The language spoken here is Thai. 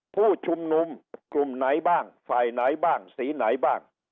ผู้ชุมนุมกลุ่มไหนบ้างฝ่ายไหนบ้างสีไหนบ้าง